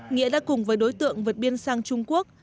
nghĩa đã cùng với đối tượng vượt biên sang trung quốc